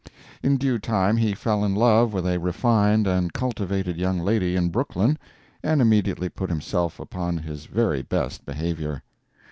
In due time he fell in love with a refined and cultivated young lady in Brooklyn, and immediately put himself upon his very best behavior.